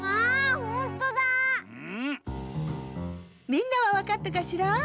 みんなはわかったかしら？